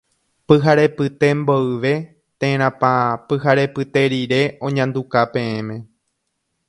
Pyharepyte mboyve térãpa pyharepyte rire oñanduka peẽme.